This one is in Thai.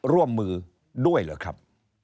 ร่วมมือด้วยเหรอครับ